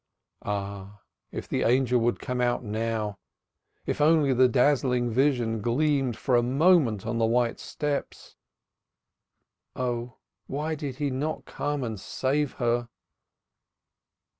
Ah, if the angel would come out now! If only the dazzling vision gleamed for a moment on the white steps. Oh, why did he not come and save her?